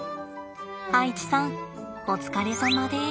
アイチさんお疲れさまです！